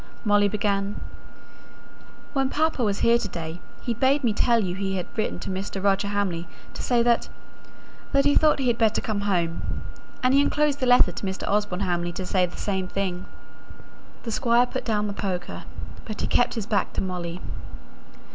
Molly began, "When papa was here to day, he bade me tell you he had written to Mr. Roger Hamley to say that that he thought he had better come home; and he enclosed a letter to Mr. Osborne Hamley to say the same thing." The Squire put down the poker, but he still kept his back to Molly.